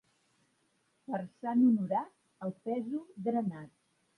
Per Sant Honorat, el pèsol granat.